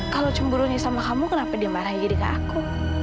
kalau cemburunya sama kamu kenapa dia marahin diri ke aku